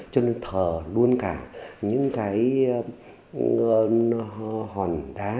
cho nên thờ luôn cả những cái hòn đá